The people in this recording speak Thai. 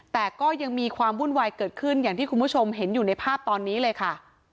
แต่ก็ยังมีความวุ่นวายเกิดขึ้นอย่างที่คุณผู้ชมเห็นอยู่ในภาพตอนนี้เลยค่ะ